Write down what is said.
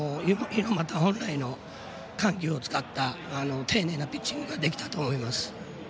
猪俣本来の緩急を使った丁寧なピッチングができたと思います。